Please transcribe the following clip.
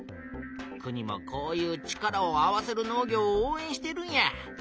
国もこういう「力を合わせる農業」をおうえんしているんや。